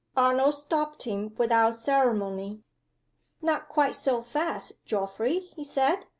Arnold stopped him without ceremony. "Not quite so fast, Geoffrey," he said.